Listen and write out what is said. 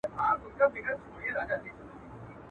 دا د غازیانو شهیدانو وطن.